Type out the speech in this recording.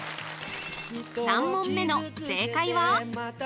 ３問目の正解は？